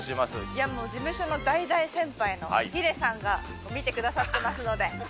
いや、もう事務所の大大先輩のヒデさんが見てくださってますので。